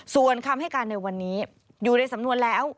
ส่วนคำให้การในวันนี้อยู่ในสำนวนแล้ว